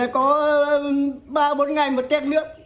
có ba bốn ngày một tét nước